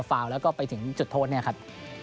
ฟาวแล้วก็ไปถึงจุดโทษเนี่ยครับ